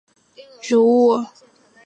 苞叶蓟为菊科蓟属的植物。